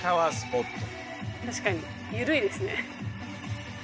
確かにゆるいですね。